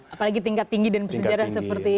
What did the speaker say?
apalagi tingkat tinggi dan sejarah seperti ini